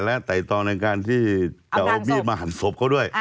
และไต่ตองในการที่จะเอามีดมาหันศพเขาด้วย